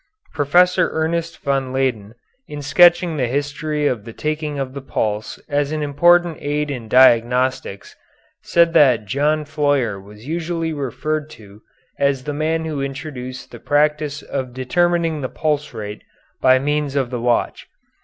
Professor Ernest von Leyden, in sketching the history of the taking of the pulse as an important aid in diagnostics, said that John Floyer was usually referred to as the man who introduced the practice of determining the pulse rate by means of the watch.